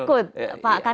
mungkin takut pak